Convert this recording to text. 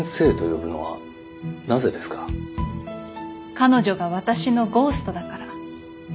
彼女が私のゴーストだから。